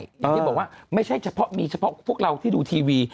อย่างที่บอกว่าไม่ใช่เฉพาะมีเฉพาะพวกเราที่ดูทีวี